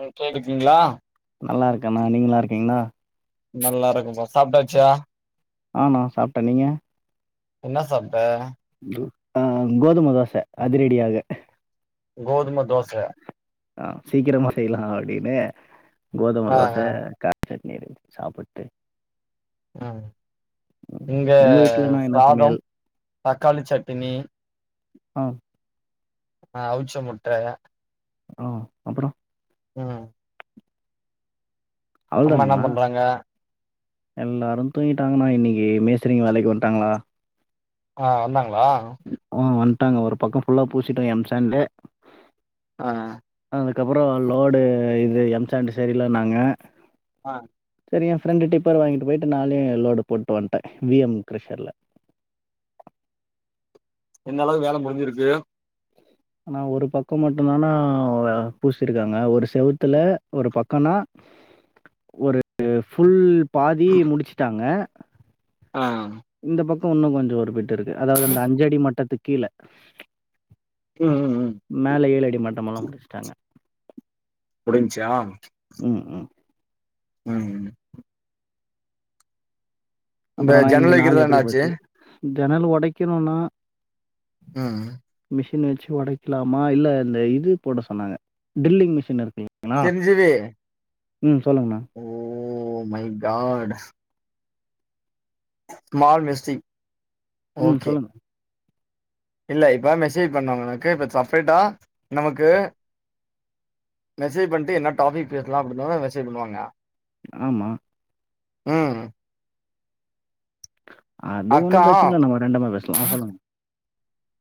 நீங் கேட்டுர்க்கீங்களா நல்லா இருக்கெண்ணா நீங்க நலா இருக்கீங்ளா நல்லா இருக்கம்ப்பா சாப்ட்டாச்சா ஆ ணா சாப்ட்டே நீங்க என்ன சாப்ட்ட து அ கோதும தோச அதிரெடியாக கோதும தோச ஆ சீக்கிரமா செய்லா அப்டினு கோதும ஆ தோச ஆ க சட்னி அரச்சி சாப்புட்டு ம் இங்க உங்க வீட்லனா என்ன சாதம் சமையல் தக்காளி சட்டினி ஆ ஆ அவுச்ச முட்ட ஆ அப்புறோ ம் அம்மா என்ன அவ்ளதானுங்களா பண்றாங்க எல்லாரு தூங்கிட்டாங்கண்ணா இன்னக்கி மேஸ்ரிங்க வேலைக்கு வந்ட்டாங்களா ஆ வந்தாங்களா ஆ வந்ட்டாங்க ஒரு பக்க ஃபுல்லா பூசிட்டாங்க எம் சான்டு ஆ அதுக்கப்புற லோடு இது எம் சாண்டு சரியில்லன்னாங்க ஆ செரி எ ஃப்ரெண்டு டிப்பர் வாங்கிட்டு போயிட்டு நானே லோடு போட்டு வந்ட்ட வி எம் க்ரஷர்ல் எந்தளவுக்கு வேல முடிஞ்சிருக்கு ண்ணா ஒரு பக்க மட்டு்ந்தாண்ணா அவுங்க பூசிருக்காங்க ஒரு செவுத்துல ஒரு பக்கன்னா ஒரு ஃபுல் பாதி முடிச்சுட்டாங்க ஆ இந்த பக்க இன்னு கொஞ்ச ஒரு பிட்டு இருக்கு அதாவது அந்த அஞ்சடி மட்டத்துக் கீழ ம் ம் ம் மேல ஏழடி மட்டமெல்லா முடிச்சுட்டாங்க முடிஞ்ச்சா ம் ம் ம் ம் இந்த அப்புறண்ணா ஜன்னல் இன்னைக்கு நாள் வைக்கிறது எப்டி என்னாச்சு போச்சு ஜன்னல் ஒடைக்கணுன்னா ம் மிஷின் வச்சு ஒடைக்கலாமா இல்ல இந்த இது போட சொன்னாங்க ட்ரில்லிங் மிஷின் இருக்கு இல்லைங்களா? செஞ்சிடு ம் சொல்லுங்கண்ணா ஓ மை காட் ஸ்மால் மிஸ்டி ம் சொல்லுங்க இல்ல இப்பதா மெசேஜ் பண்ணாங்க எனக்கு இப்ப சப்ரேட்டா நமக்கு மெசஜ் பண்ட்டு என்ன டாப்பிக் பேசலா அப்டினு தான மெேஜ் பண்ணுவாங்க ஆமா ம் அது அக்கா ஒன்னு பிரச்சன இல்ல நம்ம ரேண்டமா பேசலா ஆ சொல்லுங்க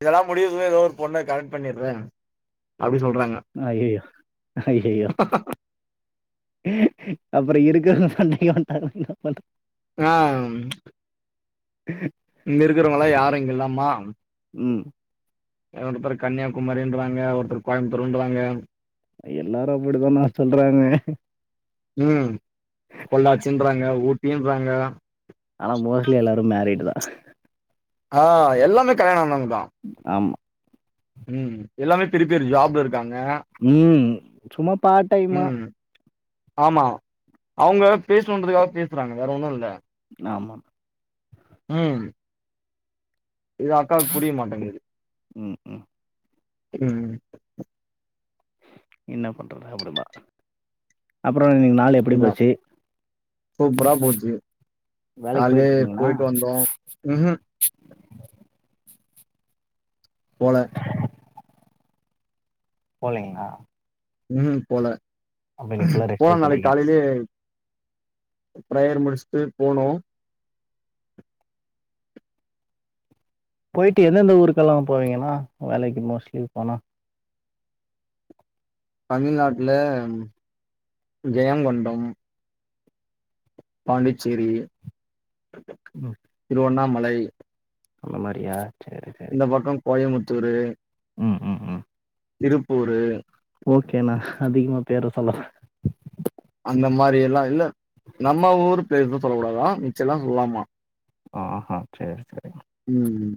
இதெல்லா முடியும்போதோ ஏதோ ஒரு பொண்ண கரெக்ட் பண்ணிற அப்டி சொல்றாங்க ஐய்யய்யோ ஐய்யய்யோ அப்ற இருக்குறவங்க சண்டக்கி வந்ட்டாங்கன்னா என்ன பண்றது ஆ இங்க இருக்கிறவங்களா யாரு இங்க இல்லம்மா ம் ஆ ஒருத்தர் கன்னியாகுமரின்றாங்க ஒருத்தர் கோயமுத்தூருன்றாங்க எல்லாரு அப்டிதான சொல்றாங்க ம் பொள்ளாச்சின்றாங்க ஊட்டின்றாங்க ஆனா மோஸ்ட்லி எல்லாரு மேரிடு் தா ஆ எல்லாமே கல்யாண ஆனவங்க தா ஆமா ம் எல்லாமே பெரிய பெரிய ஜாப்ல இருக் ம் சும்மா பார்ட் டைமா ம் ஆமா அவங்க பேசணுன்றதுக்காக பேசுறாங்க வேறு ஒன்னு இல்ல நம் ம் இது அக்காவுக்கு புரிய மாட்டேங்குது ம் ம் ம் என்ன பண்றது அப்டிம்பா அப்புற இன்னைக்கு நால் எப்டி என்ன போச்சி சூப்பரா போச்சி வேலைக்கு காலே இருக்கீங்களா போயிட்டு வந்தோ ம் ஹிம் போல போலைங்ளா ம் ஹூம் போல இன்னைக்கு ஃபுல்லாக ரெஸ்ட் போலா நாளைக் எடுத்துட்டீங்க காலையிலேயே பிரேயர் முடிச்ட்டு போனு போய்ட்டு எந்தெந்த ஊருக்கெல்லா போவீங்கனா வேலைக்கு மோஸ்ட்லி போனா தமிழ்நாட்ல ஜெயங்கொண்டம் பாண்டிச்சேரி ம் திருவண்ணாமலை அந்த மாரியா இந்த பக்கோ கோயமுத்தூரு ம் ம் ம் திருப்பூரு ஓகேணா அதிகமா பேர சொல்லாத அந்த மாரி எல்லா இல்ல நம்ம ஊர் பிளேஸ் தா சொல்லக் கூடாதா மிச்செல்லா சொல்லாமா ஆஹா சேரி சேரி ணா ம்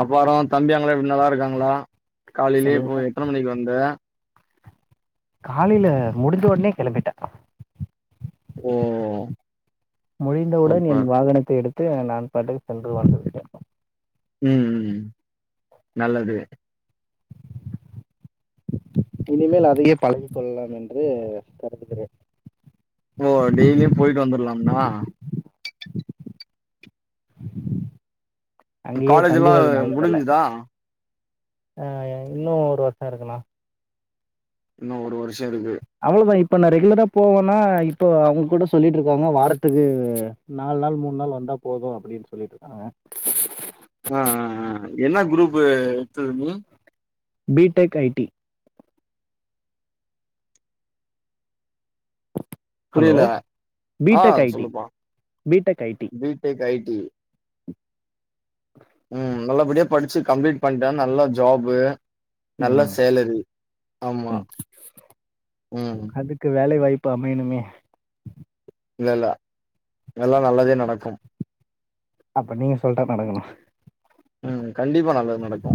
அப்பறோ தம்பி அங்கலா எப்டி நல்லாருக் கிறாங்ளா காலையிலேயே இப்போ எல்லாம் எத்தன மணிக்கு வந்த காலையில முடிஞ்ச ஒட்னே கெளம்பிட்ட ஓ முழிந்தவுடன் என் சூப்பர் வாகனத்தை எடுத் து அது நான் பாட்டுக்கு சென்று வந்திருக்கே ம் ம் நல்லது இனிமேல் அதையே பழகி கொள்ளலா என்று வருந்துகிறே ஓ டெய்லியு போய்ட்டு வந்துரலாம்னா அங்கேயே காலேஜ் எல்லா தங்குவது நல்லதில்ல முடிஞ்சுதா அ இன்னு ஒரு வருஷோ இருக்கு னா இன்னோ ஒரு வருஷோ இருக்கு அவ்ளதா இப்ப நா ரெகுலரா போவன்னா இப்போ அவுங்க கூட சொல்லிட்டு ருக்காங்க வாரத்துக்கு நால் நாள் மூண் நாள் வந்தா போது அப்டின் சொல்லிட்ருக்காங்க ஆ ஆ ஆ என்னா குரூப் எட்த்துது நீ B Tech I T hello புரியில ஆ பிடெக் ஐடி சொல்லுப்பா BTech IT B Tech I T ம் நல்லபடியா படிச்சி கம்ப்ளீட் பண்ட்டா நல்ல ஜாபு நல்ல ம் சேலரி ஆமா ம் க்கு வேலைாய்பு அமையனுமே இல்ல இல்ல எல்லா நல்லதே நடக்கு அப்ப நீங்க சொல்ட்டா நடக்கணு ம் கண்டிப்பா நல்லது நடக்கு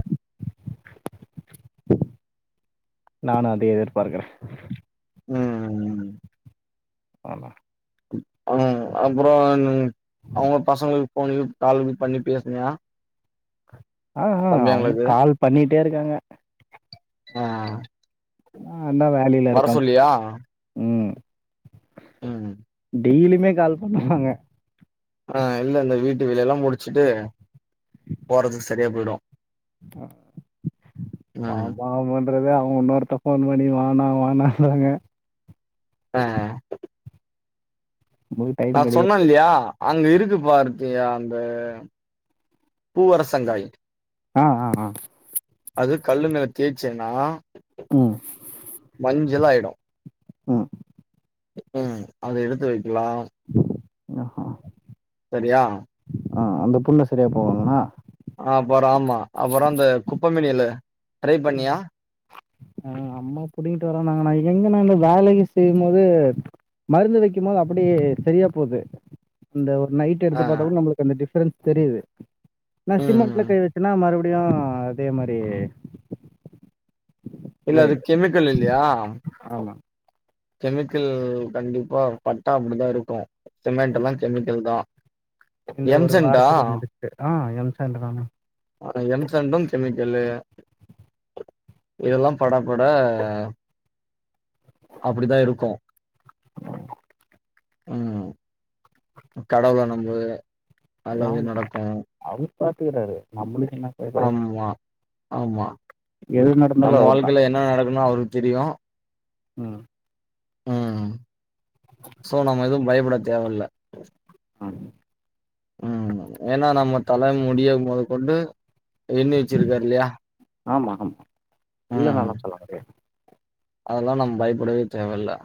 நானு அதே எதிர்பார்க்கறே ம் ஆமா அ ம் அப்றோ அவுங்க பசங்களுக் ஃபோன்லியு கால்ல மீட் பண்ணி பேசுனியா ஆ ஆ அவுங்க தம்பியாங்களுக்கு கால் பண்ணிட்டே இருக்காங்க ஆ ஆ அண்ணா வேலைல வர இருக்கா சொல்லியா ம் ம் டெய்லியுமே கால் பண்ணுவாங்க ஆ இல்லல்ல வீட்டு வேலையல்லா முடிச்சுட்டு போறதுக்கு சரியா போய்டு அ ம் பாப்பாமன் ப்ரதர் அவங்க இன்னொருத்த ஃபோன் பண்ணி வானா வானான்றாங்க ஆ உங்களுக்கு த டைம் கிடைக்கல சொன்ன இல்லையா அங்க இருக்குபா ஆர்த்தி அந்த பூவரசங்காய் ஆ ஆ ஆ அது கல்லு மேல தேய்ச்சேன்னா ம் மஞ்சளாய்டு ம் ம் அது எடுத்து வைக்கலா ஆஹா சரியா ஆ அந்த புண்ண சரியாக போவாதுண்ணா அப்பறம் அப்பற அந்த குப்பைமேனி எல ட்ரை பண்ணியா ஆ அம்மா புடிங்கிட்டு வர்ரேன்னாங்கண்ணா எங்கன்னா இங்க நா இந்த வேலையே செய்யும் போது மருந்து வைக்கும் போது அப்படியே சரியா போது அந்த ஒரு நைட் டு ஆ எடுத்து பாத்தா கூட நம்மளுக்கு அந்த டிப்பரன்ஸ் தெரியுது நா ம் சிமெண்ட்ல ம் கை வச்சன்னா மறுபடியு அதே மாரி இல்ல அது இதாயிடுது கெமிக்கல் இல்லையா ஆமா கெமிக்கல் கண்டிப்பா பட்டா அப்படிதா இருக்கு சிமெண்ட்டுமே கெமிக்கல் தா இந்த ஒரு எம்சன்டா வாரத்துல முடிச்சுட்டு ஆ எம் சாண்டுதானா அ எம்சாண்டு கெமிக்கல்லு இதெல்லா பட பட அப்படிதா இருக்கு ம் கடவுள நம்பு நல்லது நவ் நடக்கு அவுரு பாத்துக்கறாரு நம்மளுக்கு என்னா அம்மா ஆமா எது நடந்தாலு நம்ம அவரு தா வாழ்க்கைல என்ன நடக்கனு அவருக்கு தெரியு ம் ம். சோ நம்ம எதுவு பயப்பட தேவல்ல ஆமா ம் ஏன்னா நம்ம தல முடிய மொதக்கொண்டு எண்ணி வச்சிருக்காரு இல்லையா ஆமா ஆமா இல்லனல்லா சொல்ல முடியாது அதெல்லா நம் பயப்படவே தேவையில்ல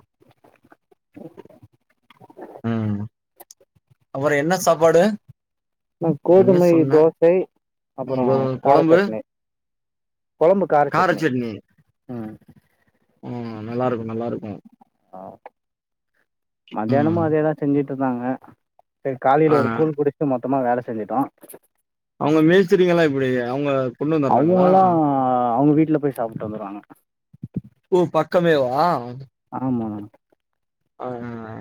அப்பற என்ன சாப்பாடு ஒன்னே கோதுமை சொன்னே. தோசை அப்பற ம். கார கொழம்பு, சட்னி கொழம்பு கார சட்னி ம் ம் நல்லாருக்கு நல்லாருக்கு மத்தியானமு ம். அதேதா செஞ்சுட்ருந்தாங்க சரி ஆ. காலைல ஒரு கூல் குடிச் மொத்தமா வேல செஞ்சுட்டோ அவங்க மேஸ்திரிங்கல்லா எப்படி அவங்க கொண்டு வந்துர்றாங்களா? அவங்கல்லா அவங்க வீட்ல போய் சாப்ட்டு வந்துருவாங்க ஓ பக்கமே வா ஆமா ஆமா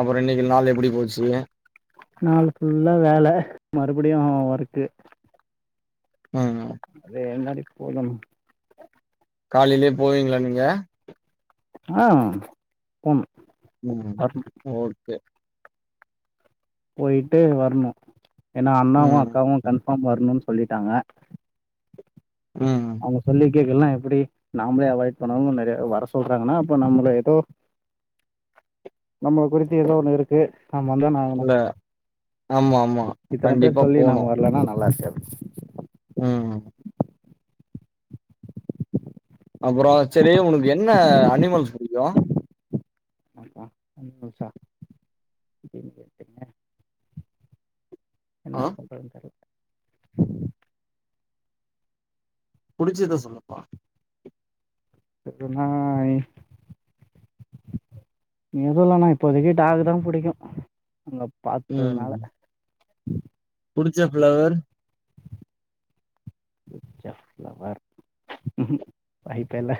அப்பற இன்னைக்கு நாள் எப்டி போச்சு நாலு ஃபுல்லா வேல மறுபடியு ஒர்க்கு [unintelligible] அது ரெண்டு நாளைக்கு போது காலையிலயே போவீங்ளா நீங்க ஆ போவே ம் ஓகே போயிட்டு வரணு ஏன்னா அம்மாவு ம் அக்காவும் கன்ஃபார்ம் வரணும் சொல்லிட்டாங்க ம் அவங்க சொல்லி கேக்கலனா எப்டி நாமளே அவாய்ட் பண்ணணும்னு நெறைய வர சொல்றாங்கனா அப்ப நம்மள ஏதோ நம்மளை குறித்து ஏதோ ஒண்ணு இருக்கு நாம வந்தா நானு இல்ல ஆமா ஆமா இத்தன பேர் கண்டிப்பா சொல்லி போனு நாங்க வரலன்னா நல்லா இருக்காது ம் அப்றோ சேரி உனக்கு என்ன அனிமல்ஸ் பிடிக்கு ம் அனிமல் அனிமல்சா தெரிலயே தெரிலயே என்ன ஆ சொல்றதுன் தெரில பிடிச்சதா சொல்லுப்பா எப்டினா இங்க இல்லனா பெரிய டாக் தா பிடிக்கும் அங்க ம் பார்த்ததுனால புடிச்ச ஃப்ளவர் புடிச்சஃப்ளவர் ம் வாய்ப்பேஇல்ல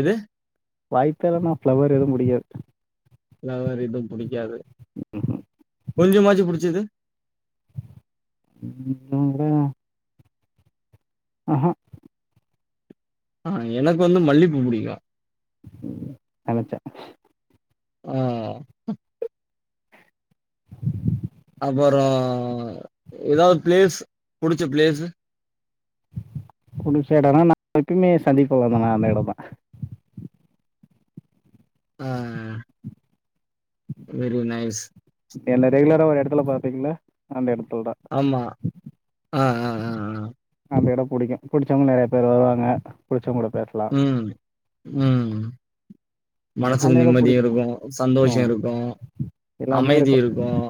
எது வாய்ப்பே இல்லனா ஃப்ளவர் எதுவும் முடியாது ஃப்ளவர் எதுவும் பிடிக்காது கொஞ்சமாச்சு புடிச்சது ம் நீங்க தா அஹா ஆ எனக்கு வந்து மல்லிப்பூ புடிக்கு நெனச்சே அ [inaudible] அப்பறோ ஏதாவது பிளேஸ் புடிச்ச பிளேஸ் குடிசை இடனா நாளைக்குமே சந்திப்போலனா அந்த இடந் தா ஆ வெரி நைஸ் என்ன ரெகுலரா ஒரு இடத்துல பாத்தீங்ளா அந்த இடத்துல தா ஆமா ஆ ஆ ஆ அந்த இடம் பிடிக்கு பிடிச்சவங்க நெறைய பேர் வருவாங்க பிடிச்சவங்கூட பேர் ம் ம் அந்த மனசுக்கு எடம் நிம்மதியு புடிக்கு இருக்கு சந்தோஷ ம் இருக்கு எல்லாமே அமைதி இருக்கு இருக்கும்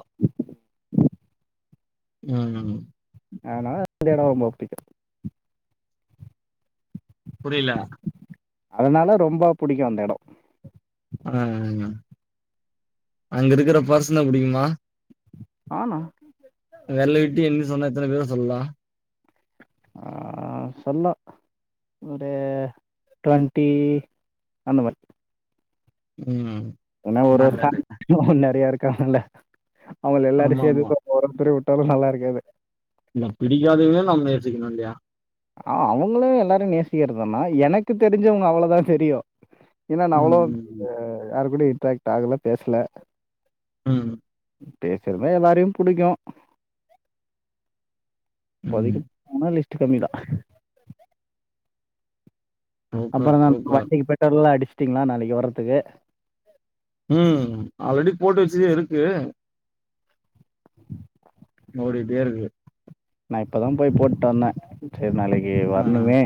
ம் அதனால அந்த இடம் ரொம்ப பிடிக்கும் புரியல அதனால ரொம்ப புடிக்கும் அந்த இடம் ஆ அங்க இருக்கற பர்சன புடிக்குமா ஆமா வெரல விட்டு எண்ணி சொன்னா எத்தனை பேரு சொல்லலா ஆ சொல்லா ஒரு ட்வெண்ட்டி அந்த மாரி ம் ஏன்னா ஒரு வருஷ நல்லது அவ நெறைய இருக்காங்கல்ல அவங்க எல்லாரும் ஆமா ஆமா சேர்ந்து ஒருத்ர விட்டாலு நல்ல இருக்காது இல்ல பிடிக்காதவங்கள நம்ம யோசிக்கணு இல்லையா அவுங்களு எல்லாரு நேசிக்கிறதுதான்னா எனக்கு தெரிஞ்சவங்க அவ்ளவுதா தெரியு ஏன்னா நா ம் அவ்ளோக்கு ம் யாரு கூட இன்ட்ராக்ட் ஆகல பேசல ம் பேசி இருந்தா எல்லாரையு புடிக்கு ம் இப்போதைக்கி போனா லிஸ்ட் கம்மி தா சூப்பர் அப்பறோ தா சூப்பர் வண்டிக்கு பெட்ரோல்லா அடுச்சீட்டீங்ளா நாளைக்கு வர்றதுக்கு ம் ஆல்ரெடி போட்டு வச்சதே இருக்கு ஓடிட்டே இருக்கு நா இப்பதா போய் போட்டு வந்தே செரி நாளைக்கி ஆ வர்ணுமே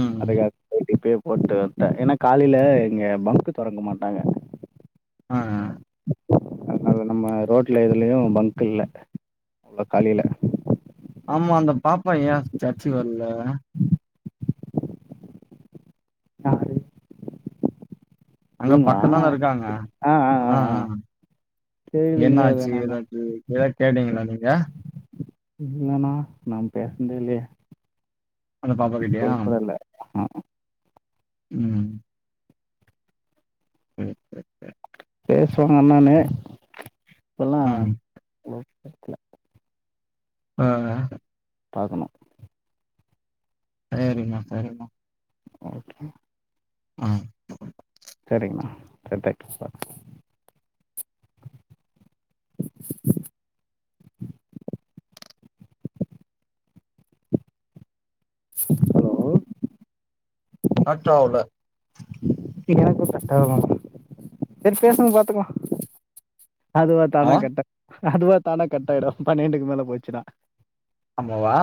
ம் அதுக்காக பொயிட்டு இப்பயே போட்டு வன்ட்டே ஏன்னா காலையில இங்க பங்க் தொறக்க மாட்டாங்க ஆ ஆ அதில் நம்ம ரோட்ல எதுலயும் பங்க் இல்ல உள்ள காலையில ஆமா அந்த பாப்பா ஏ சச்சுக்கு வர்ல யாரு அங்க இவங்களா பக்கந்தான இருக்காங்க ஆ ஆ என்ன தெரியலைங்க அது ஆச்சு நான் ஏதாச்சு எதாது கேட்டீங்களா நீங்க இல்லண்ணா நம் பேஸ்னதே இல்லயே அந்த பாப்பா கிட்டயா இல்லை ஆ ம் ம் [inaudible] பேசுவாங்க அண்ணானு சொல்லா ம் [inaudible] ஆ ஆ பாக்கணு சேரிம்மா சரிம்மா ஓகே ஆ செரிங்கண்ணா சரி தேங்க்யூ பா ஹலோவ் ஆட்டோவுல எனக்கு கட்டாகு செரி பேசுங்க பாத்துக்கலா அதுவா ஆ தானா கட்டா அதுவா தான கட்டாயிடு பன்னென்டுக்கு மேல போச்சுன்னா அம்மு வா